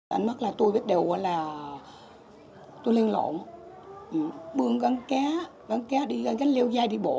anh mắt là tôi biết đều là tôi lên lộn bương gắn cá gắn cá đi gắn gắn leo dai đi bộ